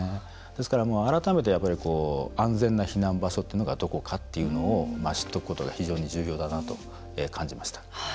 ですから、改めて安全な避難場所っていうのがどこかっていうのを知っておくことが非常に重要だなと感じました。